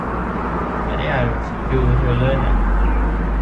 ไม่ได้อยากดูเทรลเลอร์หนัง